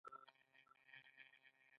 آیا دوستي زموږ انتخاب نه دی؟